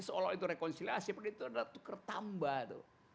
seolah itu rekonsiliasi begitu ada tukar tambah